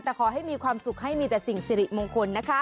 แต่ขอให้มีความสุขให้มีแต่สิ่งสิริมงคลนะคะ